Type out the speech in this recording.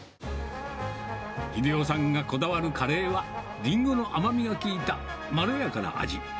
秀夫さんがこだわるカレーは、リンゴの甘みが効いたまろやかな味。